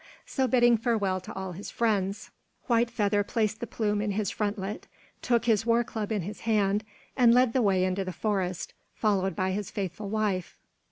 So bidding farewell to all his friends, White Feather placed the plume in his frontlet, took his war club in his hand, and led the way into the forest, followed by his faithful wife.